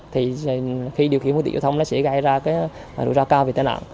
thì khi điều khiển mức tiêu thông nó sẽ gây ra cái rủi ro cao về tài nạn